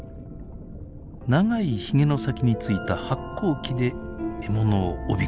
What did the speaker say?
長いヒゲの先についた発光器で獲物をおびき寄せます。